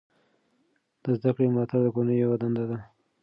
د زده کړې ملاتړ د کورنۍ یوه دنده ده.